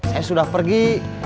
saya sudah pergi